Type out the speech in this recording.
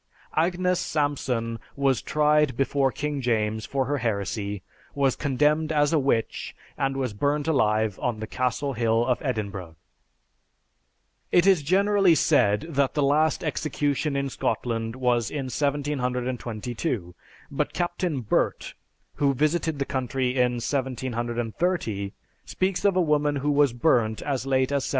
Agnes Sampson was tried before King James for her heresy, was condemned as a witch, and was burned alive on the Castle Hill of Edinburgh. It is generally said that the last execution in Scotland was in 1722, but Captain Burt, who visited the country in 1730, speaks of a woman who was burnt as late as 1727.